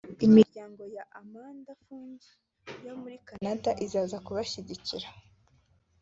Imiryango ya Amanda Fung yo muri Canada izaza kubashyigikira